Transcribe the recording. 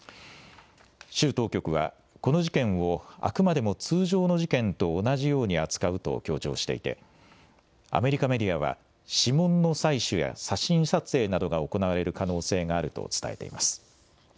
州当局は、この事件をあくまでも通常の事件と同じように扱うと強調していて、アメリカメディアは、指紋の採取や写真撮影などが行われる可能性があると伝えています。